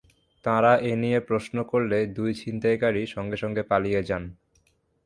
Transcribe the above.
তাঁরা এ নিয়ে প্রশ্ন করলে দুই ছিনতাইকারী সঙ্গে সঙ্গে পালিয়ে যান।